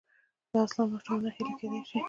دا اصلاً ماشومانه هیله کېدای شي.